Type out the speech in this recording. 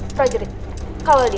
projurit kawal dia